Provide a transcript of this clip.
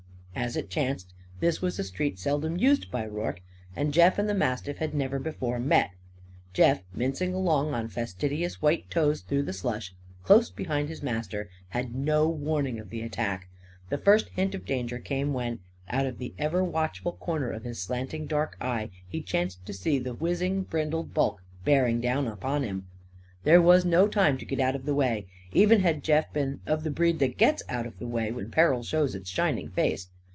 As it chanced, this was a street seldom used by Rorke. And Jeff and the mastiff had never before met. Jeff, mincing along on fastidious white toes through the slush, close behind his master, had no warning of the attack. The first hint of danger came when, out of the ever watchful corner of his slanting dark eye, he chanced to see the whizzing brindled bulk bearing down upon him. There was no time to get out of the way; even had Jeff been of the breed that gets out of the way when peril shows its shining face.